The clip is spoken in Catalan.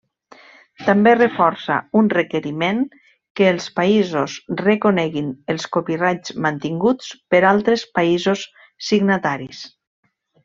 També reforça un requeriment que els països reconeguin els copyrights mantinguts per altres països signataris.